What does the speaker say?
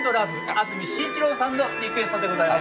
安住紳一郎さんのリクエストでございます。